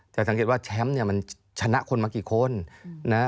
สังเกตว่าแชมป์เนี่ยมันชนะคนมากี่คนนะ